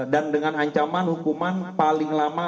dan dengan ancaman hukuman paling lama lima belas tahun